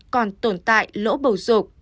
còn tồn tại lỗ bầu rục